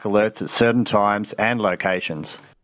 pada waktu dan lokasi tertentu